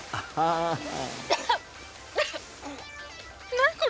「何これ？